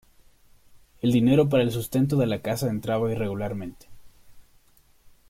El dinero para el sustento de la casa entraba irregularmente.